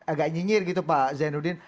agak nyinyir gitu pak zainuddin